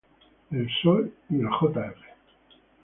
El Sol y el Jr.